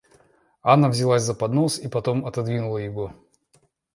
Анна взялась за поднос и потом отодвинула его.